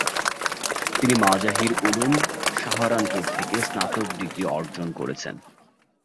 তিনি মাজাহির উলুম, সাহারানপুর থেকে স্নাতক ডিগ্রি অর্জন করেছেন।